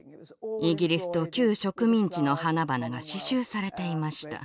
イギリスと旧植民地の花々が刺しゅうされていました。